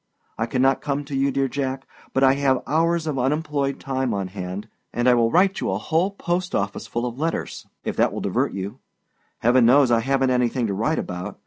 I cannot come to you, dear Jack, but I have hours of unemployed time on hand, and I will write you a whole post office full of letters, if that will divert you. Heaven knows, I havenât anything to write about.